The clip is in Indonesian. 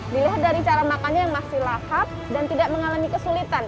dilihat dari cara makannya yang masih lahap dan tidak mengalami kesulitan